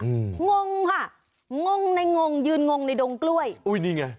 อืมงงค่ะงงในงงยืนงงในดงกล้วยอุ้ยนี่ไง